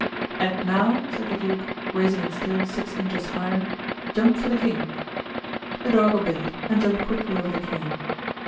"And now," said the duke, raising it still six inches higher, "jump for the king." The dog obeyed and jumped quickly over the cane.